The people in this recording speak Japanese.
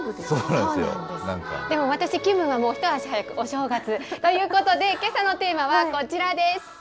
でも、私の気分は一足早くお正月。ということで、けさのテーマはこちらです。